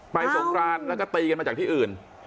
สงครานแล้วก็ตีกันมาจากที่อื่น